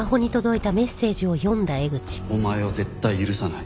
「お前を絶対許さない。